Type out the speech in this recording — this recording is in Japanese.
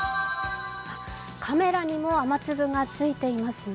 カメラにも雨粒がついていますね。